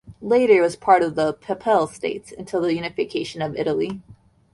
Later it was part of the Papal States until the unification of Italy.